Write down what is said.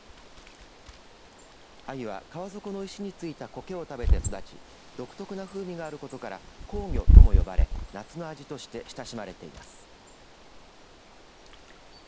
アユは川底の石に付いたこけを食べて育ち独特な風味があることから香魚とも呼ばれ夏の味として親しまれています。